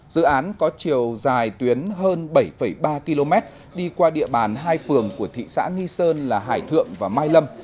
dự án có chiều dài tuyến hơn bảy ba km đi qua địa bàn hai phường của thị xã nghi sơn là hải thượng và mai lâm